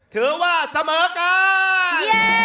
ถือว่าเสมอกัน